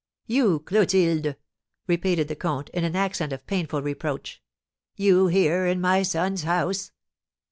"You, Clotilde!" repeated the comte, in an accent of painful reproach; "you here, in my son's house!"